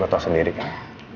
lo tau sendiri kan